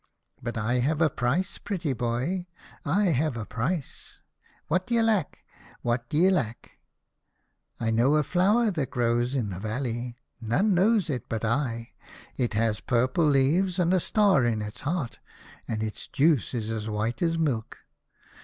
But I have a price, pretty boy, I have a price. What d'ye lack ? What d'ye lack ? I know a flower that grows in the valley, none knows it but I. It has purple leaves, and a star in its heart, and its juice is as white as milk.